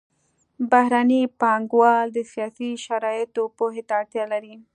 بهرني پانګوال د سیاسي شرایطو پوهې ته اړتیا لري